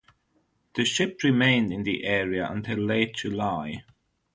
The ship remained in the area until late July.